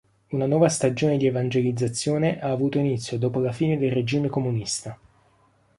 Una nuova stagione di evangelizzazione ha avuto inizio dopo la fine del regime comunista.